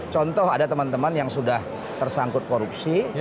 contoh ada teman teman yang sudah tersangkut korupsi